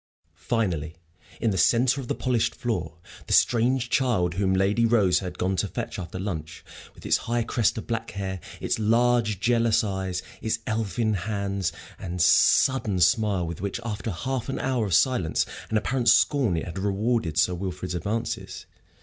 Finally, in the centre of the polished floor, the strange child, whom Lady Rose had gone to fetch after lunch, with its high crest of black hair, its large, jealous eyes, its elfin hands, and the sudden smile with which, after half an hour of silence and apparent scorn, it had rewarded Sir Wilfrid's advances.